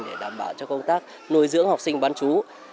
để đảm bảo cho công tác nuôi dưỡng học sinh bán chú